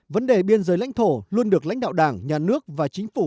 vấn đề biên giới lãnh thổ luôn được lãnh đạo đảng nhà nước và chính phủ